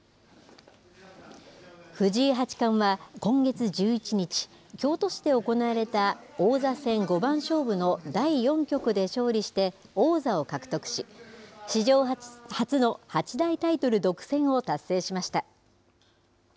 藤井八冠は今月１１日、京都市で行われた王座戦五番勝負の第４局で勝利して王座を獲得し、史上初の八大タイトル独占を達成しました。